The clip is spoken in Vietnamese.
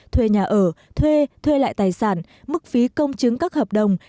thuê nhà ở thuê thuê lại tài sản mức phí công chứng các hợp đồng